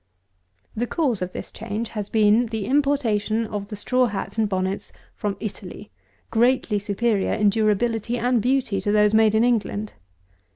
211. The cause of this change has been, the importation of the straw hats and bonnets from Italy, greatly superior, in durability and beauty, to those made in England.